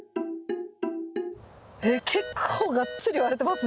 えっ結構がっつり割れてますね。